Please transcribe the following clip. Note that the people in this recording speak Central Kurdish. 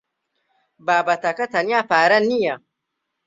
بابەتەکە تەنیا پارە نییە.